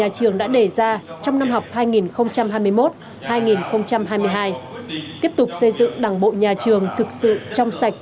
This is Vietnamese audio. trong năm học hai nghìn hai mươi một hai nghìn hai mươi hai tiếp tục xây dựng đảng bộ nhà trường thực sự trong sạch